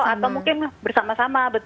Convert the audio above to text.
atau mungkin bersama sama